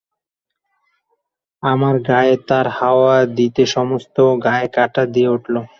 আমার গায়ে তার হাওয়া দিতে সমস্ত গায়ে কাঁটা দিয়া উঠিল।